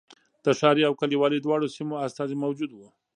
د ښاري او کلیوالي دواړو سیمو استازي موجود و.